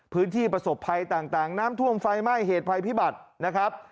พื้นที่ประสบภัยต่างน้ำท่วมไฟไหม้เหตุภัยพิบัตินะครับ